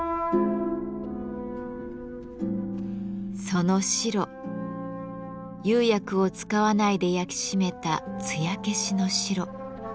その白釉薬を使わないで焼き締めた艶消しの白。